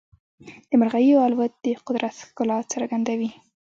د مرغیو الوت د قدرت ښکلا څرګندوي.